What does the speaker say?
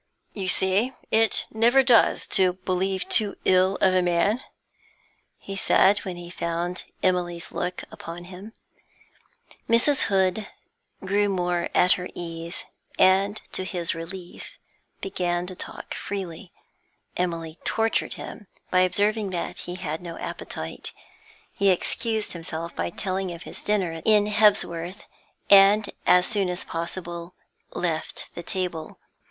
'You see, it never does to believe too ill of a man,' he said, when he found Emily's look upon him. Mrs. Hood grew mere at her ease, and, to his relief, began to talk freely. Emily tortured him by observing that he had no appetite. He excused himself by telling of his dinner in Hebsworth, and, as soon as possible, left the table.